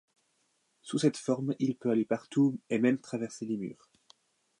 Sous cette forme, il peut aller partout et même traverser les murs.